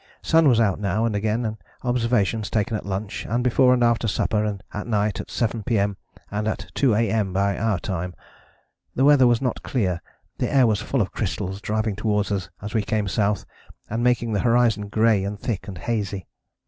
Sun was out now and again, and observations taken at lunch, and before and after supper, and at night, at 7 P.M. and at 2 A.M. by our time. The weather was not clear, the air was full of crystals driving towards us as we came south, and making the horizon grey and thick and hazy.